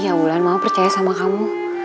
ya bulan mama percaya sama kamu